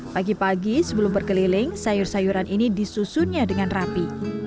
pagi pagi sebelum berkeliling sayur sayuran ini disusunnya dengan rapi